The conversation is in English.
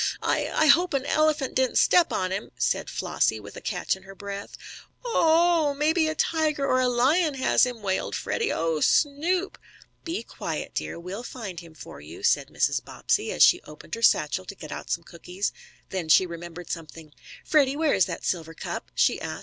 "I I hope an elephant didn't step on him," said Flossie, with a catch in her breath. "Ohooo! Maybe a tiger or a lion has him!" wailed Freddie. "Oh, Snoop!" "Be quiet, dear, we'll find him for you," said Mrs. Bobbsey, as she opened her satchel to get out some cookies. Then she remembered something. "Freddie, where is that silver cup?" she asked.